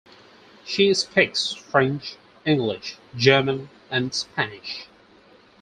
She speaks French, English, German and Spanish.